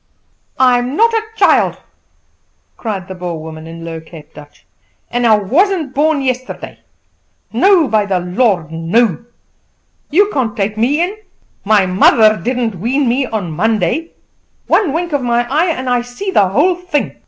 "I'm not a child," cried the Boer woman, in low Cape Dutch, "and I wasn't born yesterday. No, by the Lord, no! You can't take me in! My mother didn't wean me on Monday. One wink of my eye and I see the whole thing.